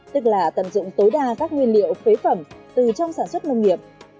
tức là tận dụng tối đa các nguyên liệu phế phẩm từ trong sản xuất nông nghiệp